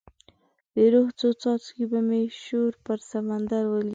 د روح څو څاڅکي به مې شور پر سمندر ولیکې